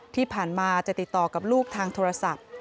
ที่ผ่านมาจะติดต่อกับลูกทางโทรศัพท์